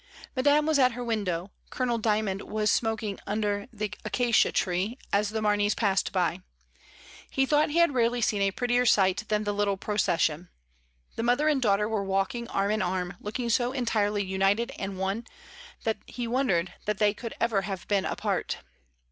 Madame was at her window; Colonel Dymond was smoking under the acacia tree as the Marneys passed by. He thought he had rarely seen a prettier sight than the little procession. The mother and daughter were walking arm in arm, looking so en tirely united and one, that he wondered that they could ever have been apart.